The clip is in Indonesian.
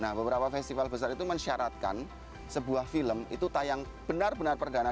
nah beberapa festival besar itu mensyaratkan sebuah film itu tayang benar benar perdana